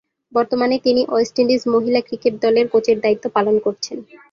বর্তমানে তিনি West Indies মহিলা ক্রিকেট দলের কোচের দায়িত্ব পালন করছেন।